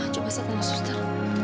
coba saya tanya suster